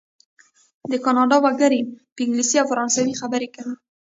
د کانادا وګړي په انګلیسي او فرانسوي خبرې کوي.